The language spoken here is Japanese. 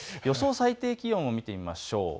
最低気温を見てみましょう。